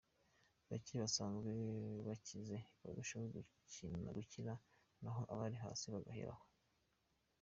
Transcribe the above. Bake basanzwe bakize barushaho gukira naho abari hasi bagahera aho.